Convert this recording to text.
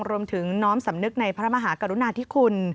น้อมสำนึกในพระมหากรุณาธิคุณ